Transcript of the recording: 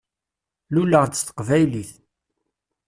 Luleɣ-d s teqbaylit.